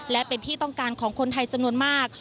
และเป็นที่ต้องการของคนไทยจำนวนมาก